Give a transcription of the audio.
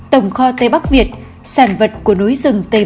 tổng kho tây bắc việt số hai trăm linh tám h lê trọng tấn quận thanh xuân tp hà nội